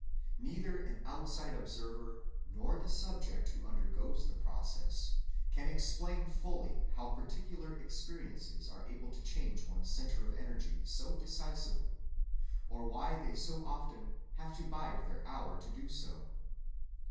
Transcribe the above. Neither an outside observer nor the Subject who undergoes the process can explain fully how particular experiences are able to change one's centre of energy so decisively, or why they so often have to bide their hour to do so.